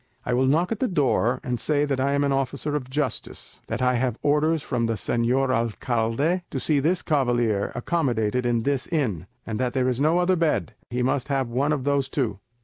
"I will knock at the door, and say that I am an officer of justice; that I have orders from the señor alcalde to see this cavalier accommodated in this inn; and that as there is no other bed, he must have one of those two.